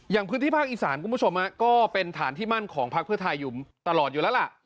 อย่างพื้นที่ภาคอีสานคุณผู้ชมก็เป็นฐานที่มั่นของพักเพื่อไทยอยู่ตลอดอยู่แล้วล่ะ